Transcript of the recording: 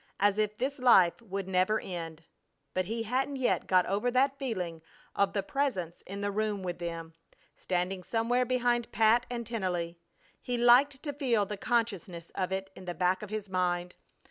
As if this life would never end! But he hadn't yet got over that feeling of the Presence in the room with them, standing somewhere behind Pat and Tennelly. He liked to feel the consciousness of it in the back of his mind.